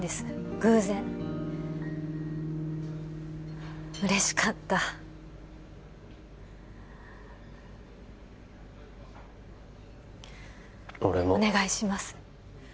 偶然嬉しかった俺もお願いします